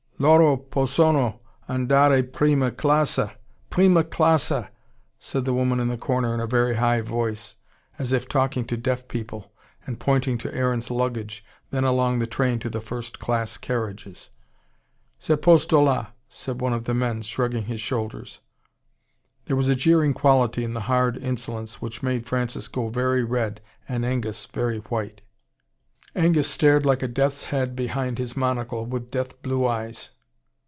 "Loro possono andare prima classa PRIMA CLASSA!" said the woman in the corner, in a very high voice, as if talking to deaf people, and pointing to Aaron's luggage, then along the train to the first class carriages. "C'e posto la," said one of the men, shrugging his shoulders. There was a jeering quality in the hard insolence which made Francis go very red and Augus very white. Angus stared like a death's head behind his monocle, with death blue eyes.